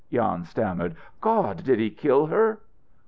Jan stammered. "Gawd did he kill her?"